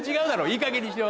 いいかげんにしろ！